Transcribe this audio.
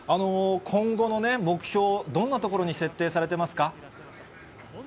今後の目標、どんなところに設定されてますか？